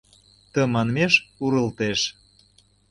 Тыманмеш урылтеш...